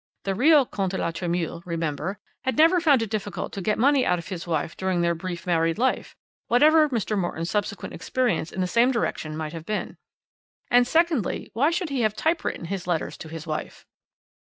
The real Comte de la Tremouille, remember, had never found it difficult to get money out of his wife during their brief married life, whatever Mr. Morton's subsequent experience in the same direction might have been. And, secondly, why should he have typewritten his letters to his wife?"